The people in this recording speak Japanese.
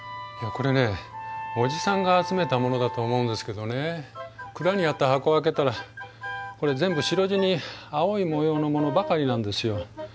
これね叔父さんが集めたものだと思うんですけどね蔵にあった箱を開けたらこれ全部白地に青い模様のものばかりなんですよ。